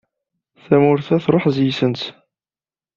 Tamurt-a truḥ degs-sent.